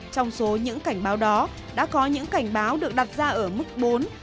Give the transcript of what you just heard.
trong số những cảnh báo đó đã có những cảnh báo được đặt ra ở bộ thông tin và truyền thông